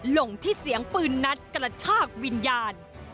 ลงที่เสียงปืนนัดกระชากวิญญาณ